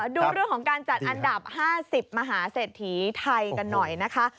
ดูเรื่องของการจัดอันดับ๕๐มหาเศรษฐีไทยกันหน่อยนะคะ